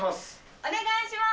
お願いします。